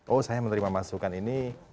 oh saya menerima masukan ini